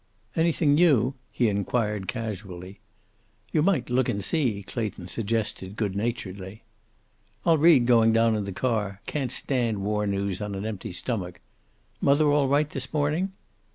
"Anything new?" he inquired casually. "You might look and see," Clayton suggested, good naturedly. "I'll read going down in the car. Can't stand war news on an empty stomach. Mother all right this morning?"